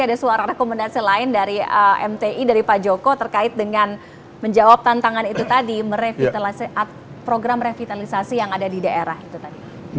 ada suara rekomendasi lain dari mti dari pak joko terkait dengan menjawab tantangan itu tadi merevitalisasi program revitalisasi yang ada di daerah itu tadi